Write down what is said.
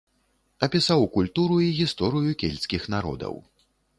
Апісаў культуру і гісторыю кельцкіх народаў.